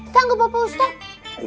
sanggup bapak ustadz